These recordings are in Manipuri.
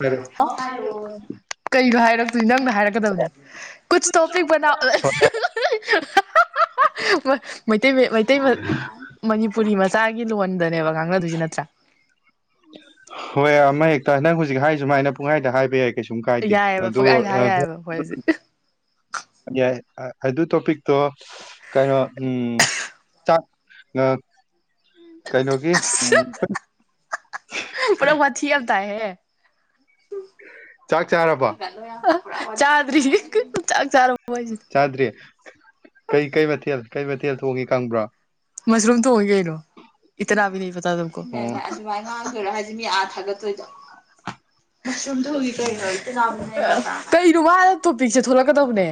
ꯐꯔꯦ ꯍꯥꯏꯔꯣ ꯍꯥꯏꯔꯛꯑꯣ ꯍꯥꯏꯔꯣꯁ ꯀꯩꯅꯣ ꯍꯥꯏꯔꯛꯇꯣꯏ ꯅꯪꯅ ꯍꯥꯏꯔꯛꯀꯗꯕꯅꯤ ꯀꯨꯁ ꯇꯣꯄꯤꯛ ꯕꯅꯥꯎ ꯍꯣꯏ ꯃꯩꯇꯩ ꯃꯌꯦꯛ ꯃꯩꯇꯩ ꯃꯠ ꯃꯅꯤꯄꯨꯔꯤ ꯃꯆꯥ ꯒꯤ ꯂꯣꯟꯗꯅꯦꯕ ꯉꯥꯡꯅꯗꯣꯏꯖꯦ ꯅꯠꯇ꯭ꯔꯥ ꯍꯣꯏ ꯑꯃ ꯍꯦꯛꯇ ꯅꯪ ꯍꯧꯖꯤꯛ ꯍꯥꯏ ꯁꯨꯃꯥꯏꯅ ꯄꯨꯡꯍꯥꯏꯗ ꯍꯥꯏꯕ ꯌꯥꯏ ꯀꯩꯁꯨꯝ ꯀꯥꯏꯗꯦ ꯌꯥꯏꯑꯕ ꯑꯗꯣ ꯄꯪꯀꯥꯏꯗ ꯑ ꯍꯥꯏ ꯌꯥꯏꯑꯕ ꯑꯩꯈꯣꯏ ꯍꯧꯖꯤꯛ ꯌꯥꯏ ꯑꯗꯨ ꯇꯣꯄꯤꯛꯇꯣ ꯀꯩꯅꯣ ꯎꯝ ꯆꯥꯥꯛ ꯉ ꯀꯩꯅꯣꯒꯤ ꯎꯝ ꯄꯨꯂꯞ ꯋꯥꯊꯤ ꯌꯥꯝ ꯇꯥꯏꯍꯦ ꯆꯥꯛ ꯆꯥꯔꯕꯣ ꯆꯥꯗ꯭ꯔꯤ ꯆꯥꯛ ꯆꯥꯔꯕꯣ ꯍꯥꯏꯖꯤꯅꯤ ꯆꯥꯗ꯭ꯔꯤ ꯀꯩ ꯀꯩ ꯃꯊꯦꯜ ꯀꯩ ꯃꯊꯦꯜ ꯊꯣꯡꯉꯤ ꯈꯪꯕ꯭ꯔꯣ ꯃꯁꯔꯨꯝ ꯊꯣꯡꯉꯤ ꯀꯩꯅꯣ ꯏꯇꯥꯅꯥꯕꯤ ꯅꯍꯤ ꯄꯇꯥ ꯇꯨꯝꯀꯣ ꯑꯣ ꯑꯗꯨꯃꯥꯏ ꯉꯥꯡꯗꯣꯏꯔꯥ ꯍꯥꯏꯖꯦ ꯃꯤ ꯑꯥ ꯊꯥꯒꯠꯇꯣꯏꯗꯣ ꯃꯁꯔꯨꯝ ꯊꯣꯡꯉꯤ ꯀꯩꯅꯣ ꯀꯩꯅꯣ ꯃꯥꯅ ꯇꯣꯄꯤꯛꯁꯦ ꯊꯣꯛꯂꯛ ꯀꯗꯧꯕꯅꯦ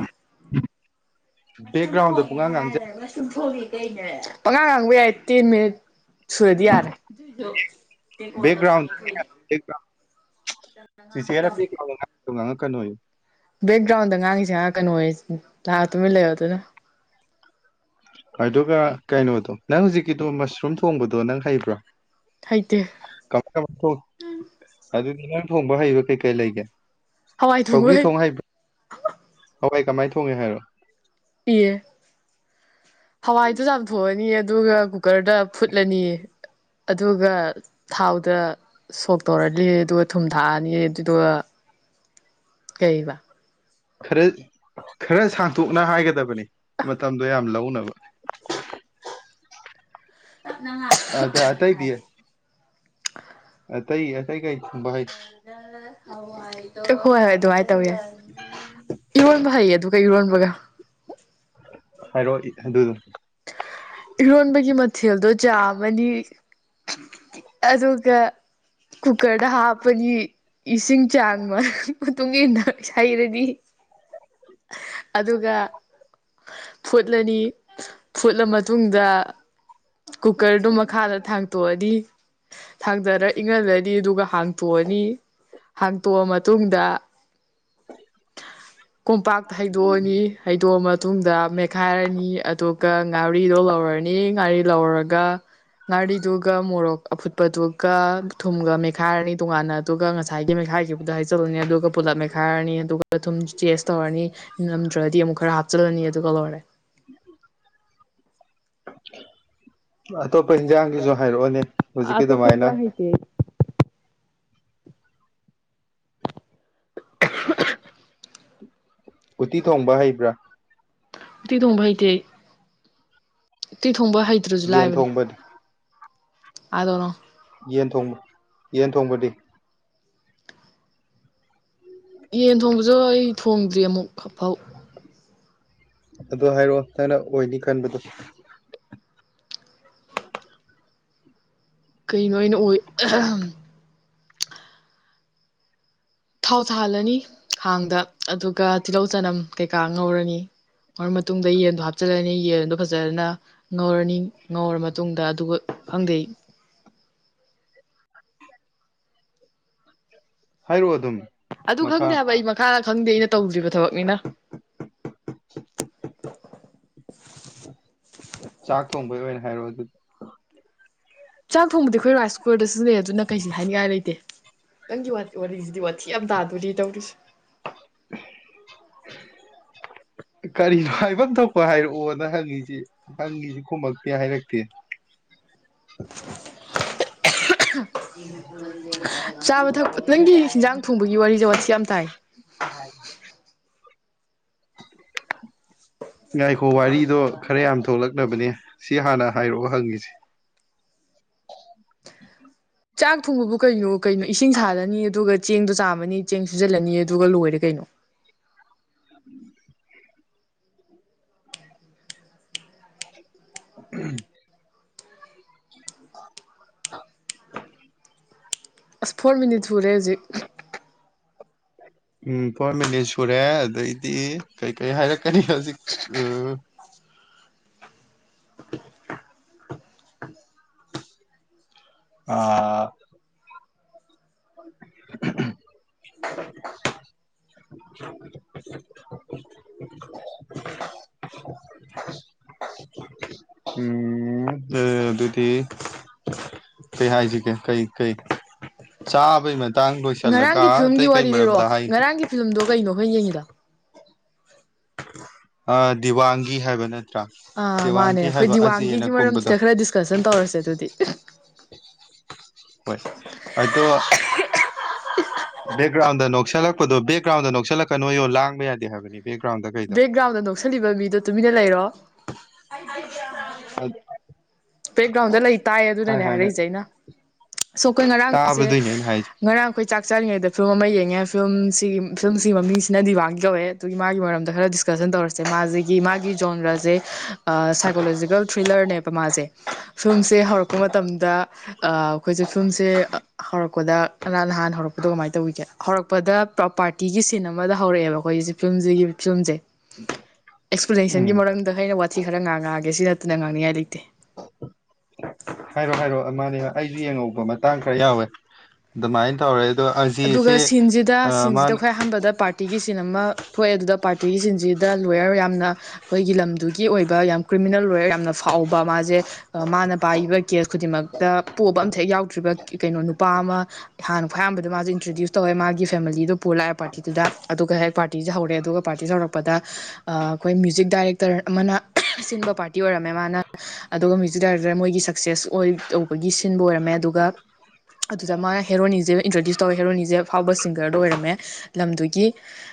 ꯃꯁꯔꯨꯝ ꯕꯦꯛꯒ꯭ꯔꯥꯎꯟꯗ ꯊꯣꯉꯤ ꯄꯨꯡꯉꯥꯡ ꯍꯥꯏꯔ ꯉꯥꯡꯖ ꯂꯣꯏꯔꯦ ꯃꯁꯔꯨꯝ ꯊꯣꯡꯉꯤ ꯀꯩꯅꯣ ꯄꯉꯥꯡ ꯉꯥꯡꯕ ꯌꯥꯏ ꯇꯦꯟ ꯃꯤꯅꯤꯠ ꯁꯨꯔꯗꯤ ꯌꯥꯔꯦ ꯑꯗꯨ ꯔꯦꯀꯣ꯭ꯔꯠꯇ ꯕꯦꯛꯒ꯭ꯔꯥꯎꯟ ꯊꯥꯒꯠꯇꯣꯏꯅꯦ ꯕꯦꯛꯒ꯭ꯔꯥꯎꯟ ꯆꯤꯆꯦꯔ ꯕꯦꯛꯒ꯭ꯔꯥꯎꯟꯗ ꯉꯥꯡꯉꯛꯏꯗꯣ ꯉꯥꯡꯉꯛꯀꯅꯣꯌꯨ ꯕꯦꯛꯒ꯭ꯔꯥꯎꯟꯗ ꯉꯥꯡꯉꯤꯁꯦ ꯉꯥꯛꯉꯛꯀꯅꯣꯌꯦ ꯅꯍꯥꯛ ꯇꯨꯃꯤꯟ ꯂꯩꯌꯣ ꯑꯗꯨꯅ ꯑꯗꯨꯒ ꯀꯩꯅꯣꯗꯣ ꯅꯪ ꯍꯧꯖꯤꯛꯀꯤꯗꯣ ꯃꯁꯔꯨꯝ ꯊꯣꯡꯕꯗꯣ ꯅꯪ ꯍꯩꯕ꯭ꯔꯣ ꯍꯩꯇꯦ ꯀꯃꯥꯏ ꯀꯃꯥꯏ ꯊꯣꯡ ꯑꯗꯨꯗꯤ ꯅꯪ ꯊꯣꯡꯕ ꯍꯩꯕ ꯀꯩꯀꯩ ꯂꯩꯒꯦ ꯍꯋꯥꯏ ꯊꯣꯡꯕ ꯁꯧꯒ꯭ꯔꯤ ꯊꯣꯡ ꯍꯩ ꯍꯋꯥꯏ ꯀꯃꯥꯏ ꯊꯣꯡꯉꯤ ꯍꯥꯏꯔꯛꯑꯣ ꯑꯦ ꯍꯋꯥꯏꯗꯨ ꯆꯥꯝꯊꯣꯛꯑꯅꯤ ꯑꯗꯨꯒ ꯀꯨꯀ꯭ꯔꯗ ꯐꯨꯠꯂꯅꯤ ꯑꯗꯨꯒ ꯊꯥꯎꯗ ꯁꯣꯛ ꯇꯧꯔꯅꯤ ꯑꯗꯨꯒ ꯊꯨꯝ ꯊꯥꯛꯑ ꯅꯤ ꯑꯗꯨꯗꯨꯗ ꯀꯩꯕ ꯈꯔꯠ ꯈꯔ ꯁꯥꯡꯇꯣꯛꯅ ꯍꯥꯏꯒꯗꯕꯅꯤ ꯃꯇꯝꯗꯣ ꯌꯥꯝ ꯂꯧꯅꯕ ꯑꯗ ꯑꯇꯩꯗꯤ [unintelligible] ꯑꯇꯩ ꯑꯇꯩ ꯀꯩ ꯈꯨꯝꯕ ꯍꯩ ꯇꯛꯈꯨꯍꯥꯏ ꯍꯣꯏ ꯍꯣꯏ ꯑꯗꯨꯃꯥꯏ ꯇꯧꯕ ꯌꯥꯏ ꯏꯔꯣꯟꯕ ꯍꯩꯌꯦ ꯑꯗꯨꯒ ꯏꯔꯣꯟꯕꯒ ꯍꯥꯏꯔꯛꯑꯣ ꯏꯠ ꯑꯗꯨꯗꯨ ꯏꯔꯣꯟꯕꯒꯤ ꯃꯊꯦꯜꯗꯣ ꯆꯥꯝꯃꯅꯤ ꯑꯗꯨꯒ ꯀꯨꯀ꯭ꯔꯗ ꯍꯥꯞꯄꯅꯤ ꯏꯁꯤꯡ ꯆꯥꯡ ꯃꯔꯛ ꯃꯇꯨꯡ ꯏꯟꯅ ꯍꯩꯔꯗꯤ ꯑꯗꯨꯒ ꯐꯨꯠꯂꯅꯤ ꯐꯨꯠꯂ ꯃꯠ ꯃꯇꯨꯡꯗ ꯀꯨꯀ꯭ꯔꯗꯣ ꯃꯈꯥꯗ ꯊꯥꯡꯇꯣꯛꯑꯗꯤ ꯊꯥꯡꯗꯔ ꯏꯪꯍꯜꯂꯅꯤ ꯑꯗꯨꯒ ꯍꯥꯡꯇꯣꯛꯑꯅꯤ ꯍꯥꯡꯇꯣꯛꯑ ꯃꯇꯨꯡꯗ ꯀꯣꯝꯄꯥꯛ ꯍꯩꯗꯣꯛꯑꯅꯤ ꯍꯩꯗꯣꯛꯑ ꯃꯇꯨꯡꯗ ꯃꯦꯠꯈꯥꯏꯔꯅꯤ ꯑꯗꯨꯒ ꯉꯥꯔꯨꯛꯇ ꯥꯔꯤꯗꯣ ꯂꯧꯔꯅꯤ ꯉꯥꯔꯤ ꯂꯧꯔꯒ ꯉꯥꯔꯤꯗꯨꯒ ꯃꯣꯔꯣꯛ ꯑꯐꯨꯠꯄ ꯇꯨꯀ ꯊꯨꯝꯒ ꯃꯦꯛ ꯃꯠꯈꯥꯏꯔꯅꯤ ꯇꯣꯉꯥꯟꯅ ꯑꯗꯨꯒ ꯉꯁꯥꯏꯒꯤ ꯃꯦꯠꯈꯥꯏꯈꯤꯕꯗꯣ ꯍꯥꯏꯖꯜꯂꯅꯤ ꯑꯗꯨꯒ ꯄꯨꯂꯞ ꯃꯦꯈꯥꯏꯔꯅꯤ ꯑꯗꯨꯒ ꯑꯗꯨꯝ ꯆꯦꯖ ꯇꯧꯔꯅꯤ ꯅꯝꯗ꯭ꯔꯗꯤ ꯑꯃꯨꯛ ꯈꯔ ꯍꯥꯞꯆꯤꯜꯂꯅꯤ ꯑꯗꯨꯒ ꯂꯣꯏꯔꯦ [inaudible] ꯑꯇꯣꯞꯄ ꯌꯦꯟꯖꯥꯡꯒꯤꯁꯨ ꯍꯥꯏꯔꯛꯑꯣꯅꯦ ꯍꯧꯖꯤꯛꯀꯤ ꯑꯇꯣꯞꯄ ꯑꯗꯨꯃꯥꯏꯅ ꯏꯟꯖꯥꯡ ꯍꯩꯇꯦ ꯑꯩ ꯎꯇꯤ ꯊꯣꯡꯕ ꯍꯩꯕ꯭ꯔꯥ ꯎꯇꯤ ꯊꯣꯡꯕ ꯍꯩꯇꯦ ꯑꯩ ꯏꯤ ꯊꯣꯡꯕ ꯍꯩꯇ꯭ꯔꯁꯨ ꯌꯦꯟ ꯂꯥꯏꯕꯅꯤ ꯊꯣꯡꯕꯗꯤ ꯑꯥꯗꯅꯣ ꯌꯦꯟ ꯊꯣꯡꯕ ꯌꯦꯟ ꯊꯣꯡꯕꯗꯤ ꯌꯦꯟ ꯊꯣꯡꯕꯁꯨ ꯑꯩ ꯊꯣꯡꯗ꯭ꯔꯤ ꯑꯃꯨꯛꯐꯥꯎ ꯑꯗꯨ ꯍꯥꯏꯔꯛꯑꯣ ꯅꯪꯅ ꯑꯣꯏꯅꯤ ꯈꯟꯕꯗꯣ ꯀꯔꯤꯅꯣ ꯑꯩꯅ ꯑꯣꯏ ꯊꯥꯎ ꯊꯥꯍꯜꯂꯅꯤ ꯍꯥꯡꯗ ꯑꯗꯨꯒ ꯇꯤꯜꯍꯧ ꯆꯅꯝ ꯀꯩꯀꯥ ꯉꯧꯔꯅꯤ ꯉꯔ ꯃꯇꯨꯡꯗ ꯌꯦꯟꯗꯣ ꯍꯥꯞꯆꯤꯜꯂꯅꯤ ꯌꯦꯟꯗꯣ ꯐꯖꯅ ꯉꯧꯔꯅꯤ ꯉꯧꯔ ꯃꯇꯨꯡꯗ ꯑꯗꯨꯒ ꯈꯪꯗꯩ ꯍꯥꯏꯔꯛꯑꯣ ꯑꯗꯨꯝ ꯑꯗꯨ ꯃꯈꯥ ꯈꯪꯗꯦ ꯍꯥꯏꯕ ꯑꯩ ꯃꯈꯥꯗ ꯈꯪꯗꯦ ꯑꯩꯅ ꯇꯧꯗ꯭ꯔꯤꯕ ꯊꯕꯛꯅꯤꯅ [inaudible] ꯆꯥꯛ ꯊꯣꯡꯕꯒꯤ ꯑꯣꯏꯅ ꯍꯥꯏꯔꯣꯑꯣ ꯑꯗꯨ ꯆꯥꯛ ꯊꯣꯡꯕꯗꯤ ꯑꯩꯈꯣꯏ ꯔꯥꯏꯁ ꯀꯨꯀꯔꯗ ꯁꯤꯖꯤꯟꯅꯩꯦ ꯑꯗꯨꯅ ꯀꯩꯁꯤ ꯍꯥꯏꯅꯤꯡꯉꯥꯏ ꯂꯩꯇꯦ ꯅꯪꯒꯤ ꯋꯥꯔꯤꯁꯤꯗꯤ ꯊꯤ ꯑꯝꯇꯥꯗꯨꯗꯤ ꯇꯧꯔꯤꯁꯦ [inaudible] ꯀꯔꯤꯅꯣ ꯍꯥꯏꯐꯝ ꯊꯣꯛꯄ ꯍꯥꯏꯔꯛꯑꯣꯅ ꯍꯪꯉꯤꯁꯤ ꯍꯪꯉꯤꯁꯤ ꯈꯃꯛꯇꯦ ꯍꯥꯏꯔꯛꯇꯦ [unintelligible] ꯆꯥꯕ ꯊꯛꯄ ꯅꯪꯒꯤ ꯍꯟꯖꯥꯡ ꯊꯣꯡꯕꯒꯤ ꯋꯥꯔꯤꯁꯦ ꯋꯥ ꯌꯥꯝ ꯇꯥꯏ [inaudible] ꯉꯥꯏꯈꯣ ꯋꯥꯔꯤꯗꯣ ꯈꯔ ꯌꯥꯝ ꯊꯣꯛꯂꯛꯅꯕꯅꯦ ꯁꯤ ꯍꯥꯟꯅ ꯍꯥꯏꯔꯛꯑꯣ ꯍꯪꯉꯁꯤꯦ ꯆꯥꯛ ꯊꯣꯡꯕꯕꯨ ꯀꯩꯅꯣ ꯀꯩꯅꯣ ꯏꯁꯤꯡ ꯁꯥꯔꯅꯤ ꯑꯗꯨꯒ ꯆꯦꯡꯗꯣ ꯆꯥꯝꯃꯅꯤ ꯆꯦꯡ ꯁꯨꯖꯜꯂꯅꯤ ꯑꯗꯨꯒ ꯂꯣꯏꯔꯦ ꯀꯩꯅꯣ [inaudible] ꯎꯝ ꯑꯁ ꯐꯣꯔ ꯃꯤꯅꯤꯠ ꯁꯨꯔꯦ ꯍꯧꯖꯤꯛ ꯎꯝ ꯐꯣꯔ ꯃꯤꯅꯤꯠ ꯁꯨꯔꯦ ꯑꯗꯩꯗꯤ ꯀꯩ ꯀꯩ ꯍꯥꯏꯔꯛꯀꯅꯤ ꯍꯧꯖꯤꯛ ꯎ [inaudible] ꯑꯥ [unintelligible] [unintelligible] [unintelligible] ꯎꯝ ꯑ ꯑꯗꯨꯗꯤ ꯀꯩ ꯍꯥꯏꯁꯤꯒꯦ ꯀꯩ ꯀꯩ ꯆꯥꯕꯩ ꯇꯥꯡ ꯂꯣꯏꯁꯤꯜꯂꯒ ꯉꯔꯥꯡꯒꯤ ꯐꯤꯂꯝꯒꯤ ꯑꯇꯩ ꯀꯩ ꯋꯥꯔꯤ ꯃꯔꯝꯗ ꯂꯤꯔꯛꯑꯣ ꯍꯥꯏ ꯉꯔꯥꯡꯒꯤ ꯐꯤꯂꯝꯗꯣ ꯀꯩꯅꯣ ꯈꯣꯏꯅ ꯌꯦꯡꯉꯤꯗꯣ ꯑ ꯗꯤꯋꯥꯡꯒꯤ ꯍꯥꯏꯕꯅꯦ ꯑꯥ ꯃꯥꯅꯦ ꯑꯩꯈꯣꯏ ꯗꯤꯋꯥꯡꯒꯤꯒꯤ ꯀꯨꯝꯕꯗꯣ ꯃꯔꯝꯁꯤꯗ ꯈꯔ ꯗꯤꯁꯀꯁꯟ ꯇꯧꯔꯁꯦ ꯑꯗꯨꯗꯤ ꯍꯣꯏ ꯑꯗꯣ [unintelligible] ꯕꯦꯛꯒ꯭ꯔꯥꯎꯟꯗ ꯅꯣꯛꯁꯤꯜꯂꯛꯄꯗꯣ ꯦꯛꯒ꯭ꯔꯥꯎꯟꯗ ꯅꯣꯛꯁꯤꯜꯂꯛꯀ ꯅꯣ ꯂꯥꯡꯕ ꯌꯥꯗ ꯍꯥꯏꯕꯅꯤ ꯕꯦꯛꯀ꯭ꯔꯥꯎꯟꯗꯒ ꯕꯦꯛꯒ꯭ꯔꯥꯎꯟꯗ ꯅꯣꯛꯁꯜꯂꯤꯕ ꯃꯤꯗꯣ ꯇꯨꯃꯤꯟꯅ ꯂꯩꯔꯣ ꯍ ꯕ꯭ꯂꯦꯛꯒ꯭ꯔꯥꯎꯟꯗ ꯂꯩ ꯇꯥꯏ ꯑꯗꯨꯅꯅꯦ ꯍꯥꯏꯔꯛꯏꯁꯦ ꯑꯩꯅ ꯁꯣ ꯑꯩꯈꯣꯏ ꯉꯔꯥꯡꯁꯦ ꯇꯥꯕꯗꯣꯏꯅꯦ ꯑꯩꯅ ꯍꯥꯏꯁꯦ ꯉꯔꯥꯡ ꯑꯩꯈꯣꯏ ꯆꯥꯛ ꯆꯥꯔꯤꯉꯩꯗ ꯐꯤꯂꯝ ꯑꯃ ꯌꯦꯡꯉꯦ ꯐꯤꯂꯝꯁꯤꯒꯤ ꯐꯤꯂꯝꯁꯤꯒꯤ ꯃꯃꯤꯡꯁꯤꯅ ꯗꯤꯕꯥꯟꯒꯤ ꯀꯧꯋꯦ ꯑꯗꯨꯒꯤ ꯃꯥꯒꯤ ꯃꯔꯝꯗ ꯈꯔꯗꯤ ꯗꯤꯁꯀꯁꯟ ꯇꯧꯔꯁꯦ ꯃꯥꯁꯤꯒꯤ ꯃꯥꯒꯤ ꯖꯣꯟꯗ꯭ꯔꯁꯦ ꯁꯥꯏꯀꯣꯂꯣꯖꯤꯀꯦꯜ ꯊ꯭ꯔꯤꯂꯔꯅꯦꯕ ꯃꯥꯁꯦ ꯐꯤꯂꯝꯁꯦ ꯍꯧꯔꯛꯄ ꯃꯇꯝꯗ ꯑꯩꯈꯣꯏꯁꯦ ꯐꯤꯂꯝꯁꯦ ꯍꯧꯔꯛ ꯍꯧꯔꯛꯄꯗ ꯅ ꯅꯍꯥꯟ ꯍꯧꯔꯛꯄꯗꯣ ꯀꯃꯥꯏꯅ ꯇꯧꯕꯤꯒꯦ ꯍꯧꯔꯛꯄꯗ ꯄꯥꯔꯇꯤꯒꯤ ꯁꯤꯟ ꯑꯃꯗ ꯍꯧꯔꯛꯑꯦꯕ ꯑꯩꯈꯣꯏ ꯐꯤꯂꯝꯁꯤꯒꯤ ꯐꯤꯂꯝꯁꯦ ꯎꯝ ꯑꯦꯛꯁꯄ꯭ꯂꯦꯅꯦꯁꯟꯒꯤ ꯃꯔꯝꯗ ꯑꯩꯅ ꯋꯥꯊꯤ ꯈꯔ ꯉꯥꯡꯉꯛꯑꯒꯦ ꯁꯤ ꯅꯠꯇꯅ ꯉꯥꯡꯅꯤꯡꯉꯥꯏ ꯂꯩꯇꯦ [unintelligible] ꯍꯥꯏꯔꯣ ꯍꯥꯏꯔꯣ ꯃꯥꯅꯦ ꯑꯩꯁꯨ ꯌꯦꯡꯉꯍꯧꯕ ꯃꯇꯥꯡ ꯈꯔ ꯌꯥꯎꯋꯦ ꯑꯗꯨꯃꯥꯏꯅ ꯇꯧꯔꯦ ꯑꯗꯣ ꯑꯗꯨꯒ ꯑꯖꯤꯁꯦ ꯁꯤꯟꯁꯤꯗ ꯁꯤꯟꯁꯤꯗ ꯃꯥꯅ ꯈ꯭ꯋꯥꯏ ꯑꯍꯥꯟꯕꯗ ꯄꯥꯔꯤ ꯄꯥꯔꯇꯤꯒꯤ ꯁꯤꯟ ꯑꯃ ꯊꯣꯛꯑꯦ ꯑꯗꯨꯗ ꯄꯥꯔꯇꯤꯒꯤ ꯁꯤꯟꯁꯤꯗ ꯂꯣꯌꯔ ꯌꯥꯝꯅ ꯑꯩꯈꯣꯏꯒꯤ ꯂꯝꯗꯨꯒꯤ ꯑꯣꯏꯕ ꯌꯥꯝ ꯀ꯭ꯔꯤꯃꯤꯅꯦꯜ ꯂꯣꯣꯌꯔ ꯌꯥꯝꯅ ꯐꯥꯎꯕ ꯃꯥꯁꯦ ꯃꯥꯅ ꯄꯥꯏꯕ ꯀꯦꯁ ꯈꯨꯗꯤꯡꯃꯛꯇ ꯄꯣꯕ ꯑꯝꯇꯦꯛ ꯌꯥꯎꯗ꯭ꯔꯤꯕ ꯀꯩꯅꯣ ꯅꯨꯄꯥ ꯑꯃ ꯍꯥꯟꯨ ꯐꯣꯏꯌꯥꯝꯝꯕꯗꯤ ꯑꯗ ꯃꯥꯁꯨꯦ ꯏꯟꯇ꯭ꯔꯗ꯭ꯌꯨꯁ ꯇꯧꯋꯦ ꯃꯥꯒꯤ ꯐꯦꯃꯤꯂꯤꯗꯣ ꯄꯨ ꯂꯥꯛꯑꯦ ꯄꯥꯔꯇꯤꯗꯨꯗ ꯑꯗꯨꯒ ꯍꯦꯛ ꯄꯥꯔꯇꯤꯁꯦ ꯍꯧꯔꯦ ꯑꯗꯨꯒ ꯄꯥꯔꯇꯤꯁꯦ ꯍꯧꯔꯛꯄꯗ ꯑꯩꯈꯣꯏ ꯃ꯭ꯌꯨꯖꯤꯛ ꯗꯥꯏꯔꯦꯛꯇꯔ ꯑꯃꯅ ꯁꯤꯟꯕ ꯄꯥꯔꯇꯤ ꯑꯣꯏꯔꯝꯃꯦ ꯃꯥꯅ ꯑꯗꯨꯒ ꯃ꯭ꯌꯨꯖꯤꯛ ꯗꯥꯏꯔꯦꯛꯇꯔ ꯃꯣꯏꯒꯤ ꯁꯛꯁꯦꯁ ꯑꯣꯏ ꯇꯧꯕꯒꯤ ꯁꯤꯟꯕ ꯑꯣꯏꯔꯝꯃꯦ ꯑꯗꯨꯒ ꯑꯗꯨꯗ ꯃꯥꯅ ꯍꯦꯔꯣꯅꯤꯁꯦ ꯏꯟꯇ꯭ꯔꯣꯗ꯭ꯌꯨꯁ ꯇꯧꯋꯦ ꯍꯦꯔꯣꯅꯤꯁꯦ ꯑꯐꯥꯎꯕ ꯁꯤꯡꯒꯔꯗꯣ ꯑꯣꯏꯔꯝꯃꯦ ꯂꯝꯗꯨꯒꯤ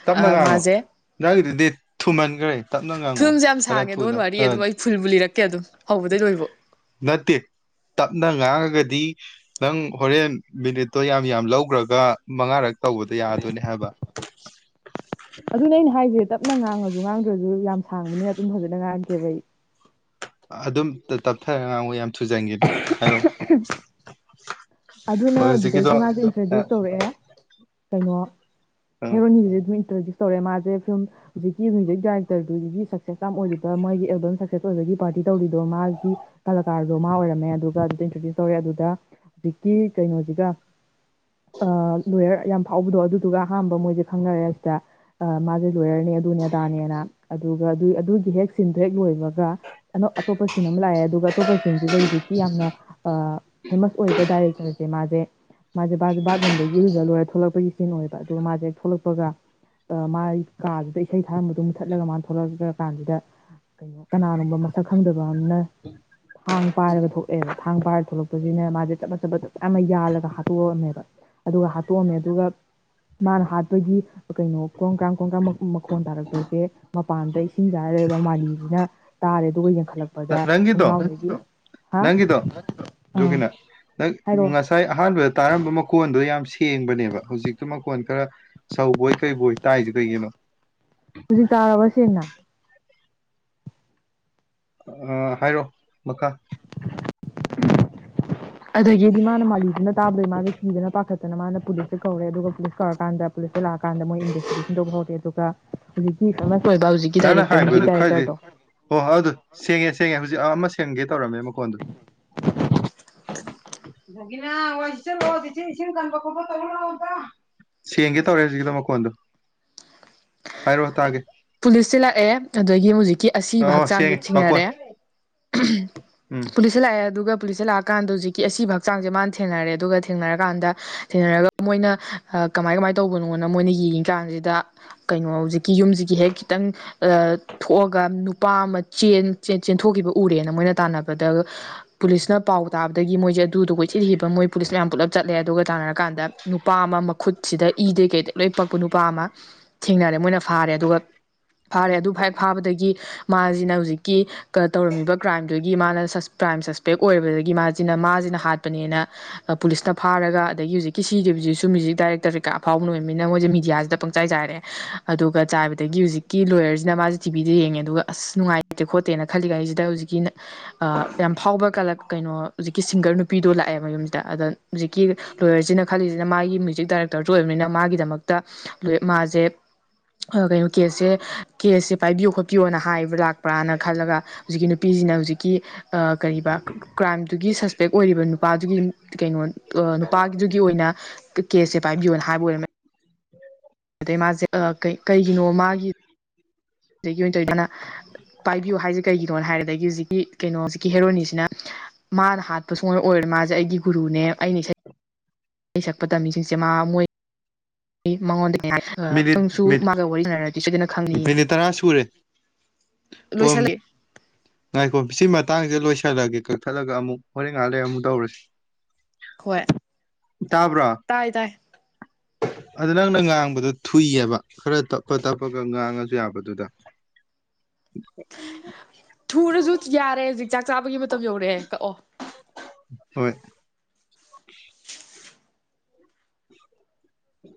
ꯇꯞꯅ ꯉꯥꯡꯉꯣ ꯃꯥꯁꯦ ꯅꯪꯒꯤꯗꯨꯗꯤ ꯊꯨꯃꯟꯈ꯭ꯔꯦ ꯇꯞꯅ ꯉꯥꯡꯉꯛꯑꯣ ꯈꯔ ꯊꯨꯅ ꯑ ꯈꯨꯨꯜꯕꯨ ꯂꯤꯔꯛꯀꯦ ꯑꯗꯨꯝ ꯍꯧꯕꯗꯩ ꯂꯣꯏꯕꯣ ꯅꯠꯇ° ꯇꯞꯅ ꯉꯥꯡꯉꯒꯗꯤ ꯅꯪ ꯍꯣꯔꯦꯟ ꯃꯤꯅꯤꯠꯇꯣ ꯌꯥꯝ ꯌꯥꯝ ꯂꯧꯈ꯭ꯔꯒ ꯃꯉꯥꯔꯛ ꯇꯧꯕꯗꯣ ꯌꯥꯗꯣꯏꯅꯦ ꯍꯥꯏꯕ ꯑꯗꯨꯅ ꯑꯩꯅ ꯍꯥꯏꯁꯦ ꯇꯞꯅ ꯉꯥꯡꯉꯁꯨ ꯉꯥꯡꯗ꯭ꯔꯁꯨ ꯌꯥꯝ ꯁꯥꯡꯕꯅꯤꯅ ꯑꯗꯨꯝ ꯐꯖꯅ ꯉꯥꯡꯉꯁꯦꯕ ꯑꯩ ꯑꯗꯨꯝ ꯇꯞꯊꯔ ꯉꯥꯡꯉꯨ ꯌꯥꯝ ꯊꯨꯖꯟꯒꯦ ꯍꯥꯏꯔꯣꯑꯣ ꯑꯗꯨꯅ ꯑꯗꯨꯗꯒꯤ ꯃꯥꯁꯦ ꯏꯟꯇ꯭ꯔꯗ꯭ꯌꯨꯁ ꯇꯧꯔꯛꯑꯦ ꯀꯩꯅꯣ ꯍꯦꯔꯣꯅꯤꯁꯤꯗꯤ ꯑꯗꯨꯝ ꯏꯟꯇ꯭ꯔꯗ꯭ꯌꯨꯁ ꯇꯧꯔꯦ ꯃꯥꯁꯦ ꯐꯤꯂꯝ ꯍꯧꯖꯤꯛꯀꯤ ꯃ꯭ꯌꯨꯖꯤꯛ ꯗꯥꯏꯔꯦꯛꯇꯔꯗꯨꯒꯤ ꯁꯛꯁꯦꯁ ꯌꯥꯝ ꯑꯣꯏꯔꯤꯕ ꯃꯣꯏꯒꯤ ꯑꯦꯜꯕꯝ ꯁꯛꯁꯦꯁ ꯑꯣꯏꯕꯒꯤ ꯄꯥꯔꯇꯤ ꯇꯧꯔꯤꯗꯣ ꯃꯥꯒꯤ ꯀꯂꯥꯀꯥꯔꯗꯣ ꯃꯥ ꯑꯣꯏꯔꯝꯃꯦ ꯑꯗꯨꯒ ꯑꯗꯨꯗ ꯏꯟꯇ꯭ꯔꯣꯗ꯭ꯌꯨꯁ ꯇꯧꯔꯦ ꯑꯗꯨꯗ ꯍꯧꯖꯤꯛꯀꯤ ꯀꯩꯅꯣꯁꯤꯒ ꯂꯣꯌꯔ ꯌꯥꯝ ꯐꯥꯎꯕꯗꯣ ꯑꯗꯨꯗꯨꯒ ꯑꯍꯥꯟꯕ ꯃꯣꯏꯁꯦ ꯈꯪꯅꯔꯦ ꯁꯤꯗ ꯃꯥꯁꯦ ꯂꯣꯌꯔꯅꯦ ꯑꯗꯨꯅꯦꯗꯥꯅꯦꯅ ꯑꯗꯨꯒ ꯑꯗꯨ ꯑꯗꯨꯒꯤ ꯍꯦꯛ ꯁꯤꯟꯗꯣ ꯍꯦꯛ ꯂꯣꯏꯕꯒ ꯑꯇꯣꯞꯄ ꯁꯤꯟ ꯑꯃ ꯂꯥꯛꯑꯦ ꯑꯗꯨꯒ ꯑꯇꯣꯞꯄ ꯁꯤꯁꯤꯡꯁꯤꯗ ꯍꯧꯖꯤꯛꯀꯤ ꯌꯥꯝꯅ ꯐꯦꯃꯁ ꯑꯣꯏꯣꯏꯕ ꯗꯥꯏꯔꯦꯛꯇꯔꯁꯦ ꯃꯥꯁꯦ ꯃꯥꯁꯦ ꯕꯥꯠꯔꯨꯝꯗꯒꯤ ꯍꯧꯔ ꯂꯣꯏꯔ ꯊꯂꯛꯄꯒꯤ ꯁꯤꯟ ꯑꯣꯏꯕ ꯑꯗꯨꯒ ꯃꯥꯁꯦ ꯍꯦꯛ ꯊꯣꯛꯂꯛꯄꯒ ꯃꯥꯒꯤ ꯀꯥꯗꯨꯗ ꯏꯁꯩ ꯊꯥꯔꯝꯕꯗꯣ ꯃꯨꯠꯊꯠꯂꯒ ꯃꯥꯅ ꯊꯣꯛꯂꯛꯛꯇ꯭ꯔ ꯀꯥꯟꯁꯤꯗ ꯀꯩꯅꯣ ꯀꯅꯥꯅꯣꯕ ꯃꯁꯛ ꯈꯪꯗꯕ ꯑꯅ ꯊꯥꯡ ꯄꯥꯏꯔꯒ ꯊꯣꯛꯂꯑꯦꯕ ꯊꯥꯡ ꯄꯥꯏꯔ ꯊꯣꯛꯂꯛꯄꯁꯤꯅ ꯃꯥꯁꯦ ꯆꯞ ꯃ ꯆꯞꯄꯗ ꯃꯌꯥꯝ ꯑꯃ ꯌꯥꯜꯂꯒ ꯍꯥꯠꯇꯣꯛꯑꯝꯃꯦꯕ ꯑꯗꯨꯒ ꯍꯥꯠꯇꯣꯛꯑꯝꯃꯦ ꯑꯗꯨꯒ ꯃꯥꯅ ꯍꯥꯠꯄꯒꯤ ꯀꯩꯅꯣ ꯀ꯭ꯔꯣꯡꯀ꯭ꯔꯥꯝ ꯀꯣꯡꯀ꯭ꯔꯥꯝ ꯃꯈꯣꯟ ꯇꯥꯔꯛꯄꯁꯦ ꯃꯄꯥꯟꯗ ꯏꯁꯤꯡ ꯆꯥꯏꯔꯔꯦꯕ ꯃꯥꯂꯤꯁꯤꯅ ꯇꯥꯔꯦ ꯑꯗꯨꯒ ꯌꯥꯡꯈꯠꯂꯛꯄ ꯅꯪꯒꯤꯤꯗꯣ ꯅꯪꯒꯤꯤꯗꯣ ꯑꯥ ꯌꯒꯤꯅꯥꯪ ꯍꯥꯏꯔꯛꯑꯣ ꯉꯁꯥꯏ ꯑꯍꯥꯟꯕꯗ ꯇꯥꯔꯝꯕ ꯃꯣꯟꯗꯣ ꯌꯥꯝ ꯁꯦꯡꯕꯅꯦꯕ ꯍꯧꯖꯤꯛꯇꯨ ꯃꯀꯣꯟ ꯈꯔ ꯁꯧꯧꯕꯣꯏ ꯀꯩꯕꯣꯏ ꯇꯥꯏꯁꯦ ꯀꯩꯒꯤꯅꯣ ꯍꯧꯖꯤꯛ ꯇꯥꯔꯕ ꯁꯦꯡꯅ ꯍꯥꯏꯔꯛꯑꯣ ꯃꯈꯥ ꯑꯗꯒꯤꯗꯤ ꯃꯥꯅ ꯃꯥꯂꯤꯗꯨꯅ ꯇꯥꯕꯗꯣꯏ ꯃꯥꯁ ꯀꯤꯗꯅ ꯄꯥꯈꯠꯇꯅ ꯃꯥꯅ ꯄꯨꯂꯤꯁꯁ ꯀꯧꯔꯦ ꯑꯗꯨꯒ ꯄꯨꯂꯤꯁ ꯀꯧꯔꯀꯥꯟꯗ ꯄꯨꯂꯤꯁꯇ ꯂꯥꯛꯀꯥꯟꯗ ꯃꯣꯏ ꯏꯟꯕꯁꯇꯤꯒꯦꯁꯟ ꯇꯧꯕ ꯍꯧꯔꯛꯦ ꯑꯗꯨꯒ ꯍꯧꯖꯤꯛꯀꯤ ꯐ ꯑꯣꯏꯕ ꯍꯧꯖꯤꯛ ꯗꯥꯏꯔꯦꯛꯇꯔꯖꯤꯛ ꯗꯥꯏꯔꯦꯛꯇꯔꯗꯣ ꯑꯣ ꯍꯣꯏ ꯑꯗꯨ ꯁꯦꯡꯉꯦ ꯁꯦꯡꯉꯦ ꯍꯧꯖꯤꯛ ꯑ ꯑꯃ ꯁꯦꯡꯒꯦ ꯇꯧꯔꯝꯃꯦ ꯃꯈꯣꯟꯗꯨ [unintelligible] ꯑꯗꯨꯗꯒꯤꯅꯥ ꯋꯥ ꯁꯤ ꯏꯁꯤ ꯀꯥꯟꯕ ꯈꯣꯄ ꯇꯧꯗ ꯁꯦꯡꯒꯦ ꯇꯧꯔꯦ ꯍꯧꯖꯤꯛꯗ ꯃꯈꯣꯟꯗꯣ ꯍꯥꯏꯔꯛꯑꯣ ꯇꯥꯒꯦ ꯄꯨꯂꯤꯁꯁꯤ ꯂꯥꯛꯑꯦ ꯑꯗꯨꯗꯒꯤ ꯍꯧꯖꯤꯛꯀꯤ ꯑꯁꯤꯕ ꯑꯣ ꯍꯛꯆꯥꯡꯁ ꯁꯦꯡꯉꯦ ꯃꯈꯣꯟ ꯊꯤꯡꯅꯔꯦ ꯎꯝ ꯄꯨꯂꯤꯁ ꯄꯨꯁ ꯂꯥꯛꯑꯦ ꯑꯗꯨꯒ ꯄꯨꯂꯤꯁꯇ ꯂꯥꯛꯑꯀꯥꯟꯗ ꯍꯧꯖꯤꯛꯀꯤ ꯑꯁꯤꯕ ꯍꯛꯆꯥꯡꯁꯦ ꯃꯥꯅ ꯊꯦꯡꯅꯔꯦ ꯑꯗꯨꯒ ꯊꯦꯡꯅꯔꯀꯥꯟꯗ ꯊꯦꯡꯅꯔꯒ ꯃꯣꯏꯅ ꯀꯃꯥꯏ ꯀꯃꯥꯏꯅ ꯇꯧꯕꯅꯣꯅ ꯃꯣꯏꯅ ꯌꯦꯡꯉꯤ ꯀꯥꯟꯁꯤꯗ ꯀꯩꯅꯣ ꯍꯧꯖꯤꯛ ꯀ ꯌꯨꯝꯁꯤꯒꯤ ꯍꯦꯛ ꯈꯤꯇꯪ ꯊꯣꯛꯑꯒ ꯅꯨꯄꯥ ꯑꯃ ꯆꯦꯟꯊꯣꯛꯈꯤꯕ ꯎꯔꯦꯅ ꯃꯣꯏꯅ ꯇꯥꯟꯅꯕꯗ ꯄꯨꯂꯤꯁꯅ ꯄꯥꯎ ꯇꯥꯕꯗꯒꯤ ꯃꯣꯏꯁꯦ ꯑꯗꯨꯗꯣ ꯀꯣꯏꯊꯤꯠꯈꯤꯕ ꯃꯣꯏ ꯄꯨꯂꯤꯁ ꯃꯌꯥꯝ ꯄꯨꯂꯞ ꯆꯠꯂꯦ ꯑꯗꯨꯒ ꯆꯥꯟꯅꯔ ꯀꯥꯟꯗ ꯅꯨꯄꯥ ꯑꯃ ꯃꯈꯨꯠꯁꯤꯗ ꯏꯗꯩ ꯀꯩꯗ ꯂꯣꯏꯅ ꯄꯛꯄ ꯅꯨꯄꯥ ꯑꯃ ꯊꯦꯡꯅꯔꯦ ꯃꯣꯏꯅ ꯐꯥꯔꯦ ꯑꯗꯨꯒ ꯐꯥꯔꯦ ꯑꯗꯨ ꯐꯥꯏꯦꯛ ꯐꯥꯕꯗꯒꯤ ꯃꯥꯁꯤꯅ ꯍꯧꯖꯤꯛꯀꯤ ꯇꯧꯔꯝꯃꯤꯕ ꯀ꯭ꯔꯥꯏꯝꯗꯨꯒꯤ ꯃꯥꯅ ꯀ꯭ꯔꯥꯏꯝ ꯁꯁꯄꯦꯛ ꯑꯣꯏꯔꯕꯗꯒꯤ ꯃꯥꯁꯤ ꯁꯤꯅ ꯃꯥꯁꯤꯅ ꯍꯥꯠꯄꯅꯦꯅ ꯄꯨꯂꯤꯁꯅ ꯐꯥꯔꯒ ꯑꯗꯒꯤ ꯍꯧꯖꯤꯛꯀꯤ ꯁꯤ ꯗꯦꯕꯁꯤꯁꯤꯁꯨ ꯃ꯭ꯌꯨꯖꯤꯛ ꯗꯥꯏꯔꯦꯛꯇꯔ ꯀ ꯑꯐꯥꯎꯕꯅ ꯑꯣꯏꯕꯅꯤꯅ ꯃꯣꯏꯁꯦ ꯃꯤꯦꯗꯤꯌꯥꯁꯤꯗ ꯄꯨꯡꯆꯥꯏ ꯆꯥꯏꯔꯛꯑꯦ ꯑꯗꯨꯒ ꯆꯥꯏꯕꯗꯒꯤ ꯍꯧꯖꯤꯛꯀꯤ ꯂꯣꯌꯔꯁꯤꯅ ꯃꯥꯁꯦ ꯇꯤꯚꯤꯗ ꯌꯦꯡꯉꯦ ꯑꯗꯨꯒ ꯑꯁ ꯅꯨꯡꯉꯥꯏꯇꯦ ꯈꯣꯠꯇꯦꯅ ꯈꯜꯂꯤꯒ ꯑꯩꯁꯤꯗ ꯍꯧꯖꯤꯛꯀꯤ ꯌꯥꯝ ꯐꯥꯎꯕ ꯀꯂꯛ ꯀꯩꯅꯣ ꯍꯧꯖꯤꯛꯀꯤ ꯁꯤꯡꯒꯔ ꯅꯨꯄꯤꯗꯣ ꯂꯥꯛꯑꯦ ꯃꯌꯨꯝꯁꯤꯗ ꯑꯗ ꯍꯧꯖꯤꯛꯀꯤ ꯂꯣꯌꯔꯁꯤꯅ ꯈꯜꯂꯤꯁꯤꯅ ꯃꯥꯒꯤ ꯃ꯭ꯌꯨꯖꯤꯛ ꯗꯥꯏꯔꯦꯛꯇꯔꯁꯨ ꯑꯣꯏꯕꯅꯤꯅ ꯃꯥꯒꯤꯗꯃꯛꯇ ꯂ ꯃꯥꯁꯦ ꯀꯩꯅꯣ ꯀꯦꯁꯁꯦ ꯀꯦꯁꯁꯦ ꯄꯥꯏꯕꯤꯌꯣ ꯈꯣꯠꯄꯤꯌꯣꯅ ꯍꯥꯏꯕ ꯂꯥꯛꯄ꯭ꯔꯥꯅ ꯈꯜꯂꯒ ꯍꯧꯖꯤꯛꯀꯤ ꯅꯨꯄꯤꯁꯤꯅ ꯍꯧꯖꯤꯛꯀꯤ ꯀ ꯀ꯭ꯔꯥꯏꯝꯗꯨꯒꯤ ꯁꯁꯄꯦꯛ ꯑꯣꯏꯔꯤꯕ ꯅꯨꯄꯥꯗꯨꯒꯤ ꯀꯩꯅꯣ ꯅꯨꯄꯥꯒꯤꯗꯨꯒꯤ ꯑꯣꯏꯅ ꯀꯦꯁꯁꯦ ꯄꯥꯏꯕꯤꯌꯣꯅ ꯍꯥꯏꯕ ꯑꯣꯏꯔꯝꯃꯦ ꯑꯗꯩ ꯃꯥꯁꯦ ꯀꯩ ꯀꯩꯒꯤꯅꯣ ꯃꯥꯒꯤ ꯑꯗꯒꯤ ꯇꯧꯗꯨꯅ ꯄꯥꯏꯕꯤꯌꯨ ꯍꯥꯏꯁꯦ ꯀꯩꯒꯤꯅꯣꯅ ꯍꯥꯏꯔꯦꯗꯒꯤ ꯍꯧꯖꯤꯛꯀꯤ ꯀꯩꯅꯣ ꯍꯦꯔꯣꯅꯤꯁꯤꯅ ꯃꯥꯅ ꯍꯥꯠꯄ ꯁꯨꯡ ꯑꯣꯢ ꯑꯣꯏꯔꯣꯢ ꯃꯥꯁꯦ ꯑꯩꯒꯤ ꯒꯨꯔꯨꯅꯦ ꯑꯩꯅ ꯏꯁꯩ꯫ ꯁꯩ ꯁꯛꯄ ꯇꯝꯃꯤꯁꯤꯡꯁꯦ ꯃꯥ ꯃꯣꯏ꯫ ꯑꯩ ꯃꯉꯣꯟꯗ [unintelligible] ꯅꯪꯁꯨ ꯃꯥꯒ ꯋꯥꯔꯤꯁꯟꯅꯔꯗꯤ ꯁꯣꯏꯗꯅ ꯈꯪꯅꯤ ꯃꯦꯅꯤꯠ ꯇꯔꯥ ꯁꯨꯔꯦ ꯑꯣ ꯂꯨꯏꯁꯜꯂꯤ꯫ ꯉꯥꯏꯈꯣ ꯁꯤ ꯃꯇꯥꯡꯁꯤꯦ ꯂꯣꯏꯁꯤꯜꯂꯒꯦ ꯀꯛꯊꯠꯂꯒ ꯑꯃꯨꯛ ꯍꯣꯔꯦꯟ ꯉꯥꯏꯍꯥꯛ ꯂꯩ ꯑꯃꯨꯛ ꯇꯧꯔꯁꯤ ꯍꯣꯏ ꯇꯥꯕ꯭ꯔꯣ ꯇꯥꯏ ꯇꯥꯏ ꯑꯗ ꯅꯪꯅ ꯉꯥꯡꯕꯗꯣ ꯊꯨꯏꯑꯕ ꯈꯔ ꯇꯞꯄ ꯇꯞꯄꯒ ꯉꯥꯡꯉꯁꯨ ꯌꯥꯕꯗꯨꯗ [unintelligible] ꯊꯨꯔꯁꯨ ꯌꯥꯔꯦ ꯍꯧꯖꯤꯛ ꯆꯥꯛ ꯆꯥꯕꯒꯤ ꯃꯇꯝ ꯌꯧꯔꯛꯑꯦ ꯀꯛꯑꯣ ꯍꯣꯏ [unintelligible] ꯎ